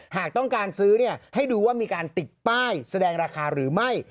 หากต้องการซื้อให้ดูว่ามีการติดป้ายแสดงราคาหรือไม่